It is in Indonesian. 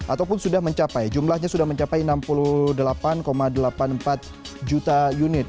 ataupun sudah mencapai jumlahnya sudah mencapai enam puluh delapan delapan puluh empat juta unit